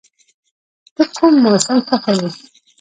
ته کوم موسم خوښوې؟